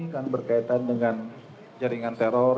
kan berkaitan dengan jaringan teror